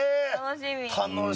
楽しみ。